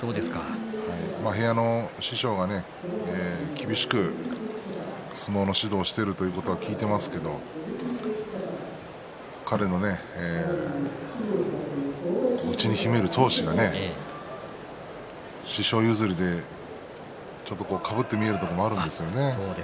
部屋の師匠が厳しく相撲の指導をしているということを聞いていますが彼の内に秘める闘志が師匠譲りでちょっと重なって見えることがありますね